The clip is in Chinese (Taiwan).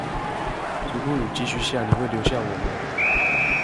如果雨繼續下，你會留下我嗎